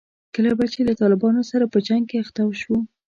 کله به چې له طالبانو سره په جنګ کې اخته شوو.